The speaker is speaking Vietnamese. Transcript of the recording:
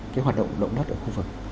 cái hoạt động động đất ở khu vực